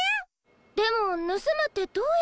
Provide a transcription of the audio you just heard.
でもぬすむってどうやって？